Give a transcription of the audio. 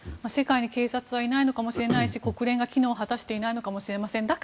世界に警察はいないのかもしれないし国連は機能を果たしていないのかもしれません。